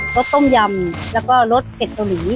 สต้มยำแล้วก็รสเป็ดเกาหลี